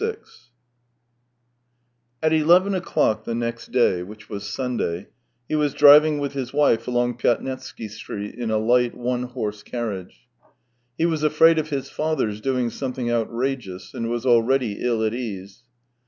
VI At eleven o'clock the next day, which was Sunday, he was driving with his wife along Pyatnitsky Street in a light, one horse carriage. He was afraid of his father's doing something outrageous, and was already ill at ease.